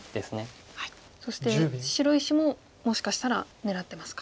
そして白石ももしかしたら狙ってますか。